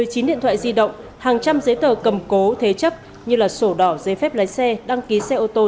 một mươi chín điện thoại di động hàng trăm giấy tờ cầm cố thế chấp như sổ đỏ giấy phép lái xe đăng ký xe ô tô